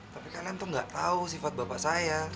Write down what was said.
tapi kalian tuh gak tahu sifat bapak saya